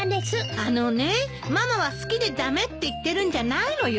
あのねママは好きで駄目って言ってるんじゃないのよ。